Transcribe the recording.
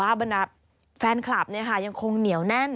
แต่ว่าแฟนคลับเนี่ยค่ะยังคงเหนียวแน่น